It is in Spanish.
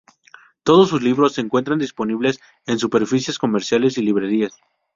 Todos sus libros se encuentran disponibles en superficies comerciales y librerías.